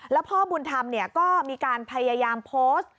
แล้วพ่อบุญธรรมก็มีการพยายามโพสต์